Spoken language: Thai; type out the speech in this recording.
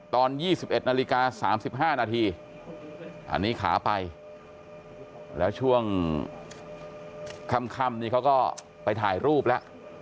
ตอน๒๑นาฬิกา๓๕นาทีอันนี้ขาไปแล้วช่วงค่ำนี่เขาก็ไปถ่ายรูปแล้ว